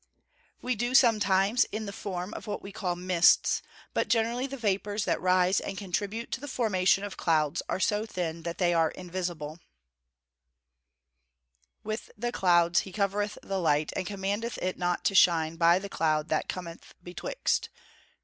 _ We do, sometimes, in the form of what we call mists, but generally the vapours that rise and contribute to the formation of clouds are so thin that they are invisible. [Verse: "With clouds he covereth the light, and commandeth it not to shine by the cloud that cometh betwixt."